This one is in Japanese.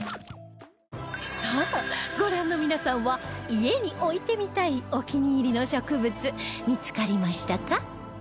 さあご覧の皆さんは家に置いてみたいお気に入りの植物見付かりましたか？